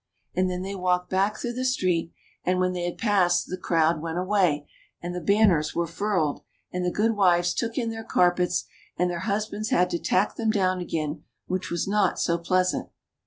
And then they walked back through the street ; and when they had passed, the crowd went away, and the banners were furled, and the good wives took in their carpets, and their husbands had to tack them down again, which was not so pleasant.